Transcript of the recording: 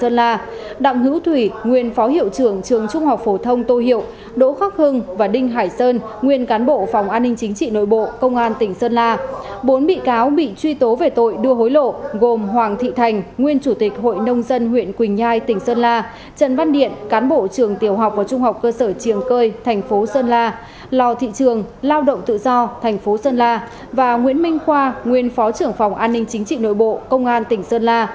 sơn la đặng hữu thủy nguyên phó hiệu trưởng trường trung học phổ thông tô hiệu đỗ khóc hưng và đinh hải sơn nguyên cán bộ phòng an ninh chính trị nội bộ công an tỉnh sơn la bốn bị cáo bị truy tố về tội đưa hối lộ gồm hoàng thị thành nguyên chủ tịch hội nông dân huyện quỳnh nhai tỉnh sơn la trần văn điện cán bộ trường tiểu học và trung học cơ sở triềng cơi thành phố sơn la lò thị trường lao động tự do thành phố sơn la và nguyễn minh khoa nguyên phó trưởng phòng an ninh chính trị nội bộ